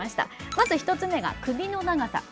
まず１つ目が首の長さ。